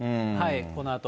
このあと。